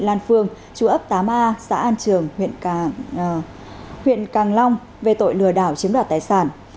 lan phương chú ấp tám a xã an trường huyện càng long về tội lừa đảo chiếm đoạt tài sản